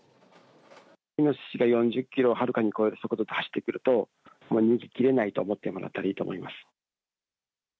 イノシシが４０キロをはるかに超える速度で走ってくると、逃げきれないと思ってもらったほうがいいと思います。